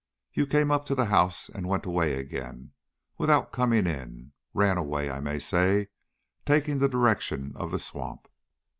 You came up to the house and went away again without coming in; ran away, I may say, taking the direction of the swamp."